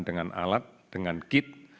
dengan alat dengan kit